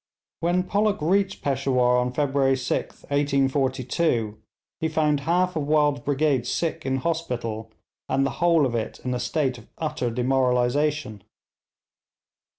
When Pollock reached Peshawur on February 6th, 1842, he found half of Wild's brigade sick in hospital, and the whole of it in a state of utter demoralisation.